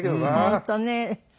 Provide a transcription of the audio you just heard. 本当ね。